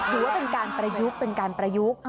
ถือว่าเป็นการประยุกต์เป็นการประยุกต์